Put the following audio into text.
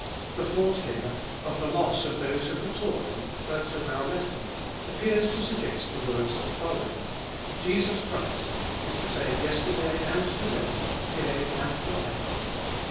The thought here of the loss of those who had taught them, but had now left them, appears to suggest the words that follow : Jesus Christ is the same yesterday and to day, yea and for ever.